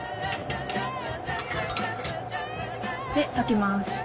で炊きます。